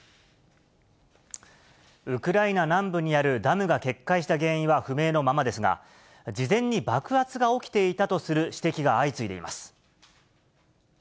ウクライナ南部にあるダムが決壊した原因は不明のままですが、事前に爆発が起きていたとする指摘が相次いでいます。